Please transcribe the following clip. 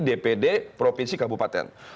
dpd provinsi kabupaten